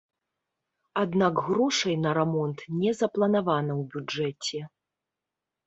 Аднак грошай на рамонт не запланавана ў бюджэце.